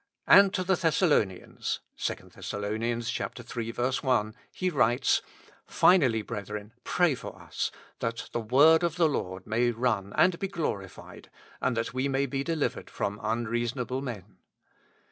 And to the Thessalonians (2 Thess. iii. i) he writes: "Finally, brethren, pray for us, that the word of the Lord may run and be glorified, and that we may be delivered from un reasonable men."